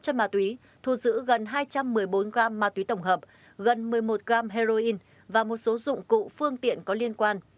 chất ma túy thu giữ gần hai trăm một mươi bốn gam ma túy tổng hợp gần một mươi một gam heroin và một số dụng cụ phương tiện có liên quan